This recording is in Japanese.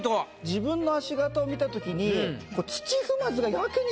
自分の足形を見たときに。